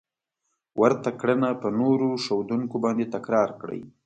ورته کړنه په نورو ښودونکو باندې تکرار کړئ.